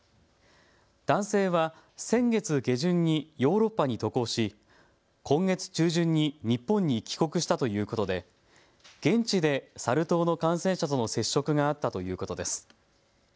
男性は先月下旬にヨーロッパに渡航し、今月中旬に日本に帰国したということで現地でサル痘の感染者との接触があったということです。